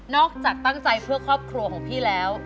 จากตั้งใจเพื่อครอบครัวของพี่แล้ว